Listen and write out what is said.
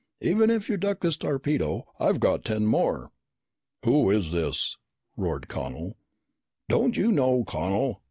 "Even if you duck this torpedo, I've got ten more!" "Who is this?" roared Connel. "Don't you know, Connel?